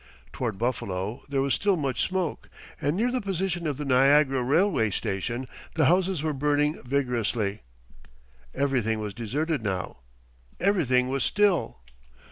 Towards Buffalo there was still much smoke, and near the position of the Niagara railway station the houses were burning vigorously. Everything was deserted now, everything was still.